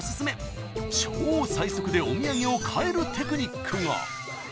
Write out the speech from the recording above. ［超最速でお土産を買えるテクニックが］